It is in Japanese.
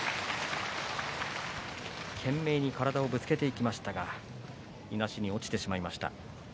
懸命に体をぶつけていきましたがいなしに落ちてしまいました。